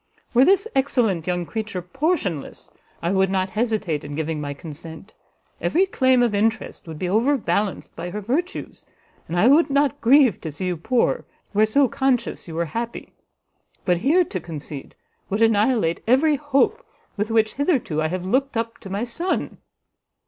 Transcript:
Were this excellent young creature portionless, I would not hesitate in giving my consent; every claim of interest would be overbalanced by her virtues, and I would not grieve to see you poor, where so conscious you were happy; but here to concede, would annihilate every hope with which hitherto I have looked up to my son."